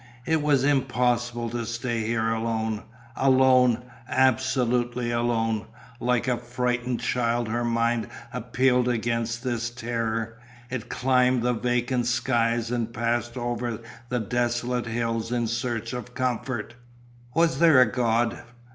It was impossible to stay here alone alone absolutely alone; like a frightened child her mind appealed against this terror; it climbed the vacant skies and passed over the desolate hills in search of comfort. Was there a God?